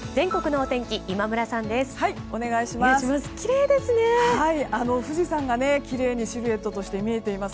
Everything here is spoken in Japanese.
お願いします。